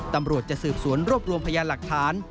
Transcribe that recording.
ตำรวจจะสืบสวนรวบรวมพยานหลักฐาน